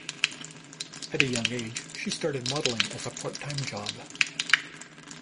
At a young age, she started modelling as a part-time job.